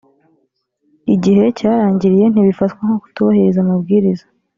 igihe cyarangiriye ntibifatwa nko kutubahiriza amabwiriza